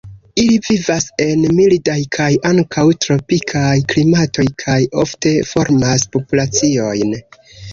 Ili vivas en mildaj kaj ankaŭ tropikaj klimatoj kaj ofte formas populaciojn.